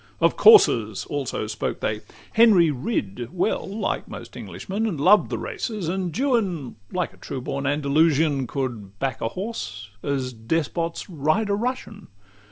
Of coursers also spake they: Henry rid Well, like most Englishmen, and loved the races; And Juan, like a true born Andalusian, Could back a horse, as despots ride a Russian.